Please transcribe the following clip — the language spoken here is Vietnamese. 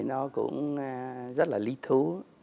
nó cũng rất là lý thú